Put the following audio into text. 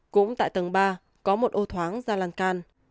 cũng tại tầng ba có một ô thoáng ra lan can